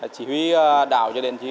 chỉ huy đảo cho đến chí